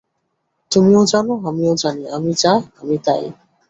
তুমিও জান, আমিও জানি, আমি যা, আমি তাই।